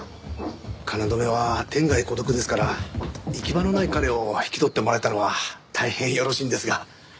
京は天涯孤独ですから行き場のない彼を引き取ってもらえたのは大変よろしいんですが。